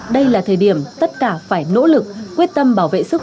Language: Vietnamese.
đây là thời điểm tất cả phải nỗ lực